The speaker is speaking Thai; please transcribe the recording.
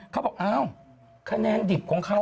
เขาบอกขนาดดิบของเขา